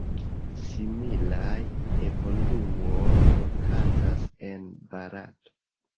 Similaj evoluoj okazas en Barato.